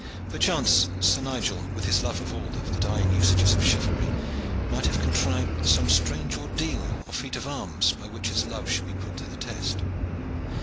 Perchance Sir Nigel, with his love of all the dying usages of chivalry, might have contrived some strange ordeal or feat of arms by which his love should be put to the test.